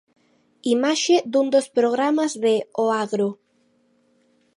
Imaxe dun dos programas de 'O Agro'.